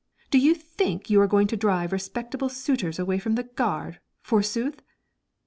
Do you think you are going to drive respectable suitors away from the gard, forsooth?